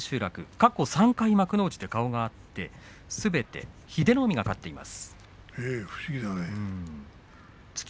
過去３回幕内で顔が合ってすべて英乃海が勝っています。